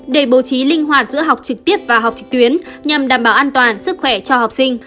để bố trí linh hoạt giữa học trực tiếp và học trực tuyến nhằm đảm bảo an toàn sức khỏe cho học sinh